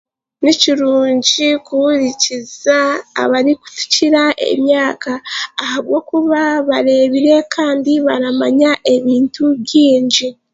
Ni kirungi kuhurikiza abarikutukira emyaka ahabwokuba bareebire kandi baramanya ebintu bingi.